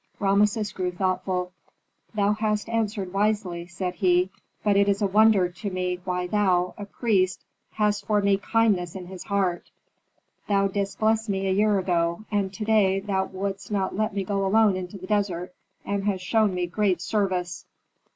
Rameses grew thoughtful. "Thou hast answered wisely," said he. "But it is a wonder to me why thou, a priest, hast for me kindness in thy heart. Thou didst bless me a year ago, and to day thou wouldst not let me go alone into the desert, and hast shown me great service."